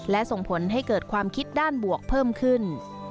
และส่งผลให้เกิดความคิดด้านบวกเพิ่มขึ้น